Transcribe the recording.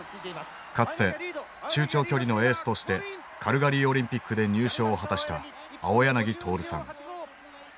かつて中長距離のエースとしてカルガリーオリンピックで入賞を果たした青柳徹さん。